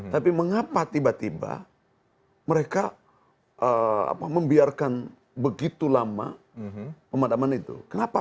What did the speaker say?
tapi mengapa tiba tiba mereka membiarkan begitu lama pemadaman itu kenapa